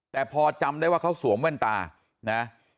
แต่พอจำได้ว่าเขาสวมแว่นตานะ